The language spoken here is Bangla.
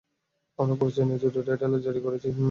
আমরা পুরো চেন্নাই জুড়ে রেড অ্যালার্ট জারি করেছি।